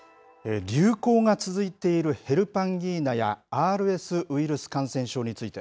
流行が続いているヘルパンギーナやＲＳウイルス感染症について、